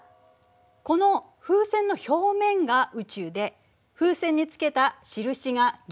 この風船の表面が宇宙で風船につけた印が銀河だと思ってね。